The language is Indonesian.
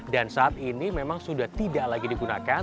dan saat ini memang sudah tidak lagi digunakan